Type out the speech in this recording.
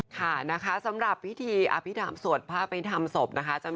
ท่านจะทำให้เป็นผู้เป็นคนได้ป่ะ